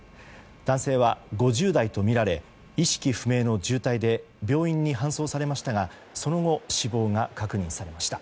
男性は５０代とみられ意識不明の重体で病院に搬送されましたがその後、死亡が確認されました。